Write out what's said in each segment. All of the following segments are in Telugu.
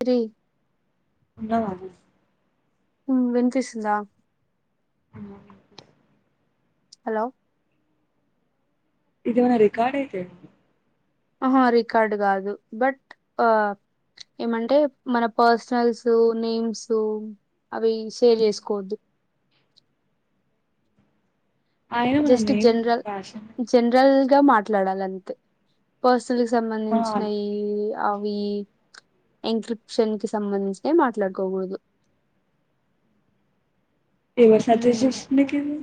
త్రీ వాద ఉమ్ వినిపిస్తుందా అ హలో ఇదివనా రికార్డ్ అయితే ఆహా రికార్డు కాదు బట్ ఆ ఏమంటే మన పర్సనల్స్ నేమ్స్ అవి సేవ్ చేసుకోవద్దు ఆయన మన జస్ట్ నేమ్ జనరల్ రాశా జనరల్ మాట్లాడాలింతేస్ తుళ్ళి మన సంబంధించిన ఈ అవి ఎంక్రిప్షన్ కి సంబంధించినై మాట్లాడుకోకూడుదు. ఎవర్ సజెస్ట్ చేస్ నీకివి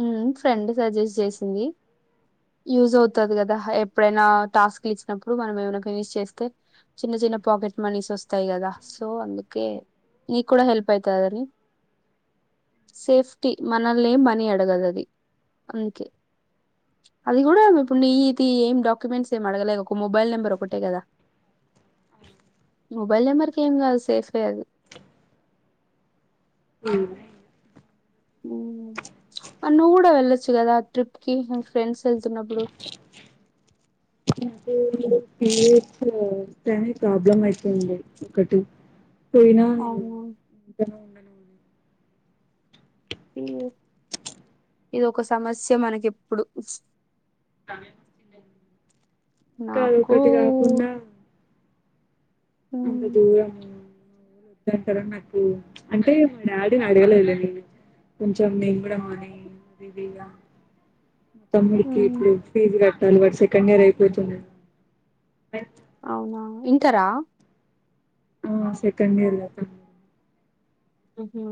ఉహ్ ఫ్రెండ్ సజెస్ట్ చేసింది. యూజ్ అవుతది కదా ఎప్పుడైనా టాస్క్ ఇచ్చినప్పుడు మనం ఏమైనా ఫినిష్ చేస్తే చిన్న చిన్న పాకెట్ మనీస్ వస్తాయి. కదా సో అందుకే నీకు కూడా హెల్ప్ అయితదని. సేఫ్టీ మనలేం మనీ అడ్ డగదది. అందుకే ఆది కూడా అడుగుతుంది. నికి ఏం డాక్యుమెంట్స్ ఏం ఆడగలే ఒక మొబైల్ నెంబర్ ఒకటే కదా. మొబైల్ నెంబర్కి ఏం గాదు సేఫ్టీ అది. ఆహ్ ఉహ్ ఆ నువ్వు కూడా వెళ్ళొచ్చు కదా. ఆ ట్రిప్ కి ఫ్రెండ్స్ వెళ్తున్నప్పుడు. పిరెడ్స్ తోనీ ప్రాబ్లమ్ అయిపోంది ఒకటి. పోయినా నేను అవును ఇంట్లనే ఉండాను. ఇది. ఇద ఒక సమస్య మనకేప్పుడు. కామెండ్స్స్కిందే నాకు ఇంకాఒకటి కాకుండా ఉమ్ అంత దూరం మా వాళ్ళు నాక్ వద్దారనీ నాకు. అంటే మా డాడీని అడగలేద్లే. నేను కొంచెం నేను గూడా మానీ అది ఇదిగా. తమ్ముడికి ఉమ్ ఇప్పుడు ఫీజ్ గాట్ దాని బటి సెకండ్ ఇయర్ అయిపోతుంద్. అవునా ఇంటారా ఆ సెకండ్ ఇయర్ గా తమ్ముడు హహ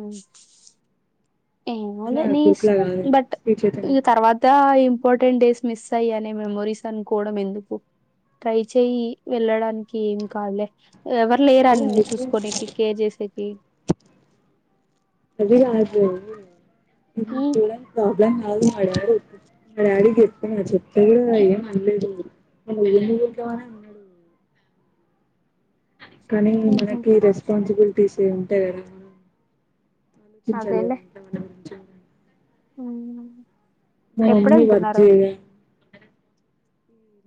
అలా ఏమోలే నీ గ్రూప్లా ఇష్టం కాదు బట్. స్పీచ్ అయితేనే ఈ తర్వాత ఇంపార్టెంట్ డేస్ మిస్ అయ్యి అనే మెమరీస్ అనుకోవడం ఎందుకు. ట్రై చెయి వెళ్ళడానికి ఏం కాదులే ఎవరు లేరా అదే నిన్ను అయితే చూసుకోనేకి కేర్ జెసేకి రోజు గద వింటే ప్రాబ్లమ్ క అడిగిన. మా డాడీ మా డాడీకీ చెప్పిన చెప్తే ఏం అనలేదు. మరీ ఎడుంటవ్ అని అన్నాడు. కానీ ఉహు మనకి రెస్పాన్సిబిలిటీస్ అంతే కద మనం ఆలోచించాలి గా ఇంట్లో మన గురించి. గూడా అవున జనవరి మీ వర్గ్చేయవే.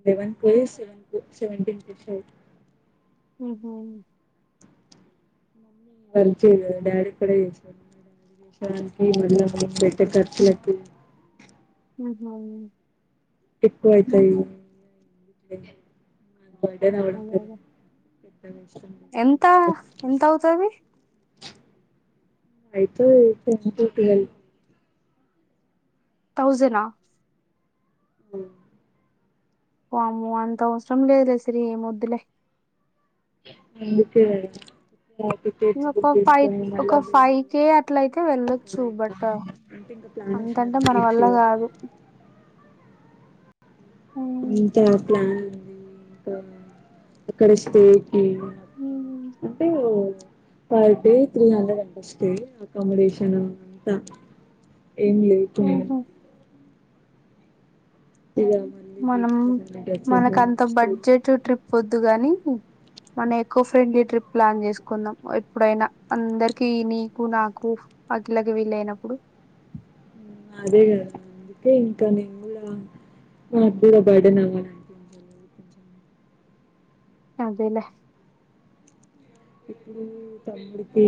లెవెన్క్ ఓయ్ సెవెటీన్ సెవెంటిన్ కోస్తారు ఉహ్ హు పరిచిగా డాడీకి గుడ వేసుకో దనికి ఉమ్, మనలక్కా బేటకట్ నెకు [unintelligible] ఉహ్ హవున్ ఎక్కువ అయితయి. అదే [inaudible] ఎంత ఎంత అవుతది అయితే [unintelligible] థౌజనా మ్ పాము అంత అవసరం లేదు సర ఏ వద్దులే [unintelligible] ఇ టికెట్స్ బుక్ ఒక ఫైవ్ చేసుకొని మళ్ళా ఒక వీళ్ళు ఫైవ్ కేే అట్ల అయితే వెళ్లొచ్చు అరుణాచలం ఇంకా బట్ అంటే ఇంకా ప్లాన్ వేసినారు అంతంటే మన బీచ్ వల్ల కాదు ఉమ్, అంత ప్లాన్ అక్కడ స్టే క ఉమ్, అంటే పర్ డే త్రీ హండ్రెడ్ అ స్టే అకామడేషన్ అ ఏం లేకున్నాను ఉహు మళ్ళీ మనం బీచ్ కోసం డ్రెస్సెస్ మనకు అంత బడ్జెట్ ట్రిప్ వ అందుగాని మన ఎకో ఫ్రెండ్లీ ట్రిప్ ప్లాన్ చేసుకుందాం ఎప్పుడైనా అందరికి నీకు నాకు ఆ కిలాకి వీలయినప్పుడు అదే కదా అందుకే ఇంకా నేను కూడా మా కూడా బర్డ నాని అదేలే ఇప్పుడు తమ్ముడికి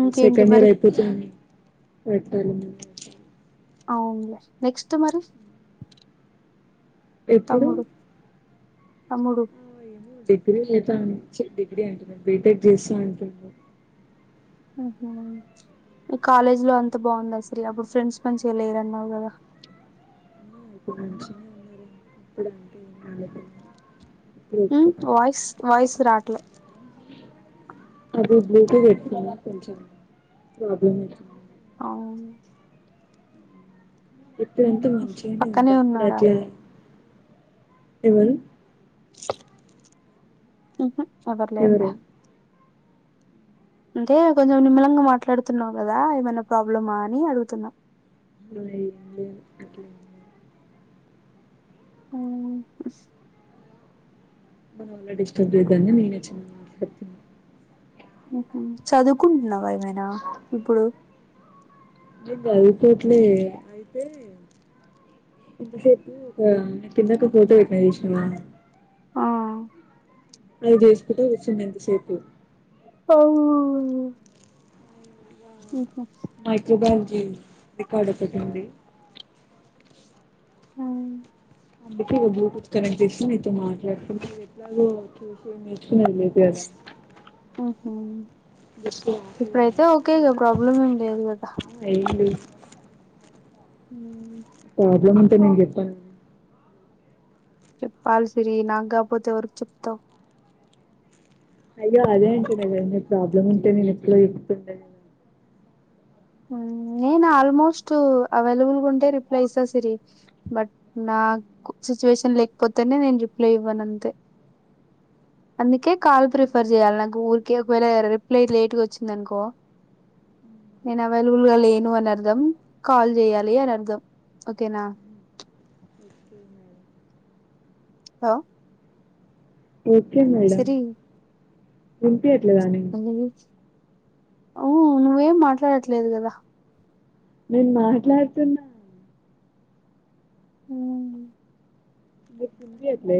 ఇంకేంటి సెకండ్ మరి ఇయర్ అయిపోతుంది పెట్టన అవునులే నెక్స్ట్ మరి ఎప్పుడు తముడు డిగ్రీ లేదా అ డిగ్రీ అంటున్నా బీటెక్ చేస్తా అంటుడు ఈ కాలేజ్ లో అంత బాగుంది అసర అప్పుడు ఫ్రెండ్స్ మంచిగా లేరున్నావు కదా ఇప్పుడు మంచిగా ఉన్నారు ఇప్పుడంటేపో ఉ వయిస్ వయిస్ రాట్ల అది బ్లూ పెట్తు కొంచం ప్రాబ్ల అవు ఎప్పుడంతా మంచిగానే పక్కనే ఉంది అప్పుడు ఉన్నారా అట్లా ఇవ ఉహా అవర్లేల అంటే కొంచెం నిమ్మలంగా మాట్లాడుతున్నావు కదా ఏమైనా ప్రాబ్లమా అని అడుగుతున్నా ఏం లేదు అట్లేం లేదు అవునా మన వల్ల డిస్టర్బ్ చేయొద్దు అని నేనే చిన్నగ మాట్లాడుతున్న ఆహా చదువుకుంటున్నావే మైనా ఇప్పుడు ఏం జదువుకోట్లేదే అయితే ఇంతసేపు ఒక కిందకు ఫోటో పెట్టినా జూషిననా అ అది జేసుకుట్ట కూచ్చున్న ఇంత సేపు ఉహు మైక్రోబల్జీ రికార్డు ఒకటిడి అబ ఇ బ్లూటూత్ కనెక్ట్ ఇస్త నతో మాట్లాడుకుంట ఎట్లాగో చూసి నేర్చుకునే ఆఓహో రాసేదానికి ఇప్పుడైతే ఓకేగా ప్రాబ్లం ఏం లేదు కదా ఏం లేదు ఉ ప్రాబ్లమ్ అంత న చెప్ప చెప్పాలు సరి నాకాపోతే ఒక చెప్తం అయ్యో అదే అంట నదన్నీ ప్రాబ్లమ్ ఉంటే నేను ఎక్లో ఎక్కుతుండ నేను ఆల్మోస్ట్ అవైలబుల్గా ఉంటే రిప్లై ఇస్తాసిరి బట్ నాకు సిచ్యువేషన్ లేకపోతేనే నేను రిప్లై ఇవ్వను అంతే అందుకే కాల్ ప్రిఫర్ చేయాలి నాకు ఊరికి ఒకవేళ రిప్లై లేట్గా వచ్చింది అనుకో నేను అవైలబుల్గా లేను అని అర్థం కాల్ చేయాలి అని అర్థం ఓకేనా హ ఓకే మేడం ఎంత అట్లేగాని ఊ నువ్వేం మాట్లాడట్లేదు కదా నేను మాట్లాడుతున్నా హ మీ కుది ఎలే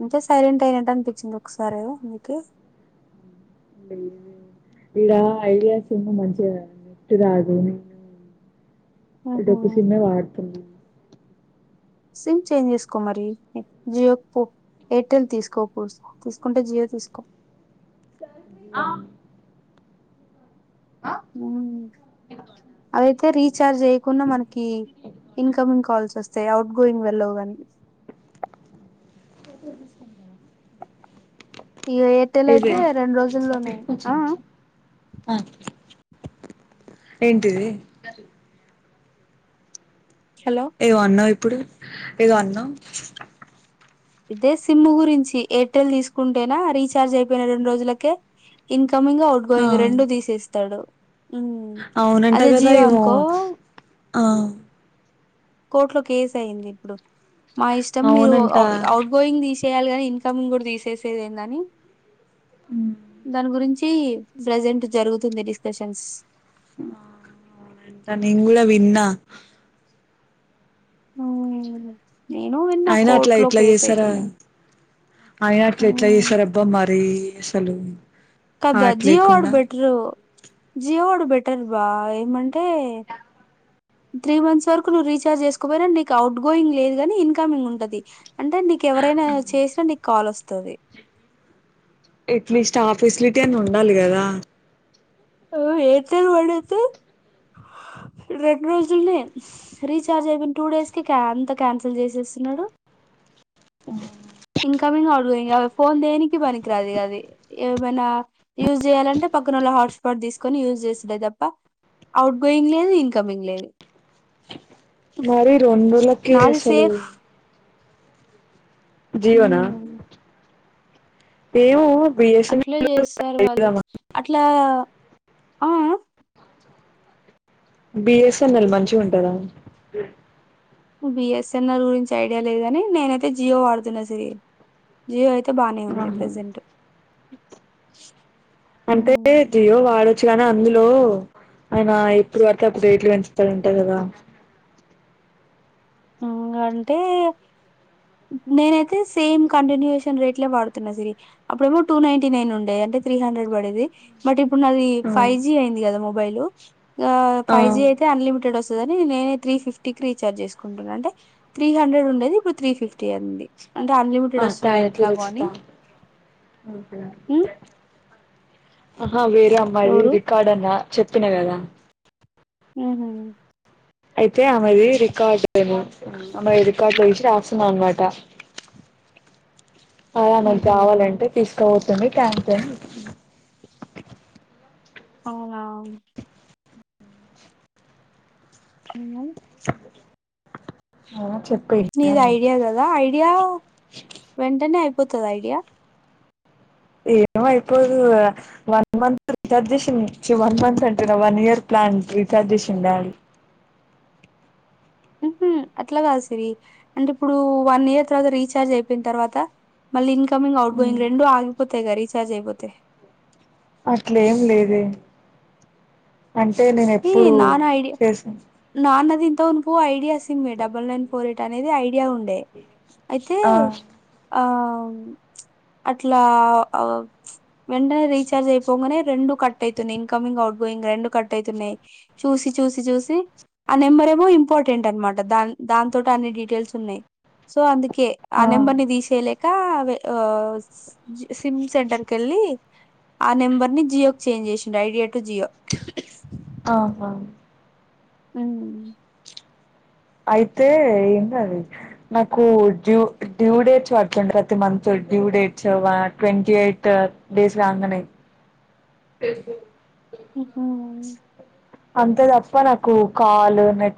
అంటే సైలెంట్ అయినట్టు అనిపించింది ఒకసారిో మీకు ఇడ ఐడియాస్ ఏన్నో మంచిగా నిఫట్ కాదు నేను ఆహా డబ్బసమ్మే వాడుతున్నా సిమ్ చేంజ్ చేసుకో మరి జియో ఎయిర్టెల్ తీసుకో తీసుకుంటే జియో తీసుకో ఆ అవైతే రీచార్జ్ చేయకుండా మనకి ఇన్కమింగ్ కాల్స్ వస్తాయి అవుట్ గోయింగ్ వెళ్ళవు కానికి సు ఈ ఎయిర్టెల్ అయితే రెండు రోజుల్లోనండి ఆ ఏంటిది హలో ఏ అన్నవి ఇప్పుడు ఇద అన్న ఇదే సిమ్ గురించి ఎయిర్టెల్ తీసుకుంటేనా రీచార్జ్ అయిపోయిన రెండు రోజులకే ఇంకా కమింగ్ అవుట్ గోయింగ్ రెండు తీసేస్తాడు హ్మ్. అవునంటా అదే కదా జియో ఇమో అనుకో ఆ కోర్టులో కేసు అయింది ఇప్పుడు మా ఇష్టం మీరు అవునంట ఆ, అఔట్ గోయింగ్ తీసి చేయాలి ని ఇన్కమ్ కూడా తీసేసేది ఏంటని దాని గురించి ప్రజెంట్ జరుగుతుంది డిస్కషన్స్ ంటా కూడా విన్నా అ ఆయన అట్లా ఎట్లా చేసారా ఆయన అట్లా ఎట్లా చేసారా అబ్బా మరి సలు కదా జియో ఆడ్బెట్రూ జియో ఆడ్బెట్ బెటర్ బా ఏమంటే త్రీ మంత్స్ వరకు నువ్వు రీచార్జ్ చేసుకోపోయినా నీకు అవుట్ గోయింగ్ లేదు కానీ ఇన్కమింగ్ ఉంటంది అంటే నీకు ఎవరైనా చేసినా నీకు కాల్ వస్తుంది ఎట్లీస్ట్ ఆ ఫెసిలిటీ అని ఉండాలి కదా ఆర్ఎయిర్టెల్ వాడైతే రెండు రోజుల్ని రీచార్జ్ అయిపోయిన టూ డేస్కి అంత క్యాన్సిల్ చేసేస్తున్నాడు ఆ ఇన్కమింగ్ అవుట్ గోయింగ్ అ ఫోన్ దేనికి పనికిరాదు అది ఏమైనా యూజ్ చేయాలంటే పక్కనళ్ళ హాట్స్పాట్ తీసుకొని యూజ్ చేసుడే తప్ప అవుట్ గోయింగ్ లేదు ఇన్కమింగ్ లేదు మరి రెండులకి నాది అసలు సేఫ్ జీవనా హ్మ్ ఏమో అట్లే చేస్తారు వాళ్ళు బిఎస్ఎన్ఎల్ అట్లా ఆ ఆ బిఎస్ఎన్ఎల్ మంచి ఉంటుందా బిఎస్ఎన్ఆర్ గురించి ఐడియా లేదుని నేనైతే జియో వాడుతున్నా సిరి జియో అయిత్ తె బానే ఉంది ఆహా ప్రెజెంట్ అంటే హ్మ్ జియో వాడొద్ చ్చుగానే అందులో ఆయన ఎప్పుడు పడితే అప్పుడు రేట్లు పెంచుతాడంట కదా ఆ అంటే నేనైతే సేమ్ కంటిన్యూయేషన్ రేట్ లో వాడుతున్నా సిరి అప్పుడేమో టూ నైంటి నైన్ ఉండేది అంటే త్రీ హండ్రెడ్ పడేది బట్ ఇప్పు అప్పుడు నాది ఫైజీ అయింది కదా మొ బైలు గా ఫైవ్ జీ అయితే అన్లిమిటెడ్ వస్ త్తదని నే తీ ఫిఫ్టీ కి రీచార్జ చేసుకు అంటే త్రీ హండ్రెడ్ ఉండే ఇప్పుడు త్రీ ఫిఫ్ ఆ థాంక్యూ ఎట్లాగో రుచిత. అని ఉమ్ ఆ వేరే అమ్మాయిది ఎవరు రికార్డు ఉందా. చెప్పిన కదా. మ్మ్ హ్మ్ అయితే ఆమెది రికార్డ్ ఏమో ఆమె రికార్డ్ చేసి రాస్తున్నా అనమాట. అ ఆమెకు ఉహు కావాలంటే తీసుకుపోత్. కొని ట్యాంక్స్ అని. అవునా. ఉహు. ఆ చెప్. నీది ఐడియా కదా ఐడియా వెంటనే అయిపో పోతద ఐడియా. ఏమ్ అయిపోదు వన్ మంత్ రిచార్జ చేసిడ్ చి వన్ మంత్ అంటున్న వన్ ఇయర్ ప్లాన్ రీచార్జ్ చేసిండా హ్మ్ హ్మ్ అట్లా కాదు సిరి అంటే ఇప్పుడు వన్ ఇయర్ తర్వాత రీచార్జ్ అయిపోయిన తర్వాత మళ్ళీ ఇంకా. కమింగ్ ఔట్గోయింగ్ రెండు ఆగిపోతాయి కదా రిచా. త్య చెయ్యకపోతే అట్లేం లేదే అంటే నేను ఈ ఎప్పుడు చేస్ దే ఇంత మునుపు idea SIM double nine four eight అనేది ఐ ఆ ఆ అట్లా [unintelligible] వెంటనే రీచార్జ్ అయిపోంగనే రెండు కట్ ట్ అయితున్నాయి ఇన్కమింగ్ ఔట్ గోయింగ్ రెండు కట్ ట్టయితున్నాయి చూసి చూసి చూసి ఆ నెంబర్ ఏమో ఇంపార్టెంట్ అన్నమాట దాన్ దానితోటి అన్ని డీటెయిల్స్ ఉన్నాయి సో అంద్ కే ఆ నెంబర్నీ తీసేయలే ఇంకా ఆ సిమ్ సెంటర్ కెళ్ళి ఆ నెంబర్ ని జియోకు చేంజ్ చేసిండు ఐడియా టు జియో. ఆహా హ్మ్ అయితే ఎందది నాకు డ్యూ డ్యూ డేట్స్ పడుతుంది ప్రతి మంత్ డ్యూ డేట్స్ ఒక ట్వంటీ ఎయిట్ డేస్ రాంగానే హ్మ్ హు అంతే తప్ప నాకు కాల్ నెట్